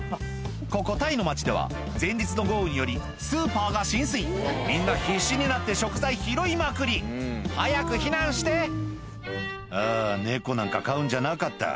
ここタイの町では前日の豪雨によりスーパーが浸水みんな必死になって食材拾いまくり早く避難して「あぁ猫なんか飼うんじゃなかった」